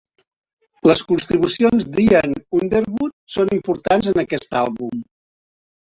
Les contribucions d'Ian Underwood són importants en aquest àlbum.